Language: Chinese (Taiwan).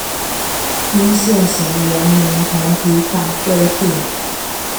依現行人民團體法規定